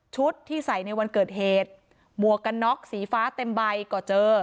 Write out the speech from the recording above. ที่ใส่ในวันเกิดเหตุหมวกกันน็อกสีฟ้าเต็มใบก็เจอ